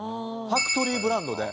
ファクトリーブランドで。